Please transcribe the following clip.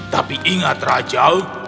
tapi ingat rajal